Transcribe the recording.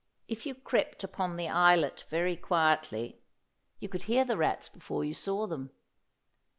If you crept upon the islet very quietly, you could hear the rats before you saw them.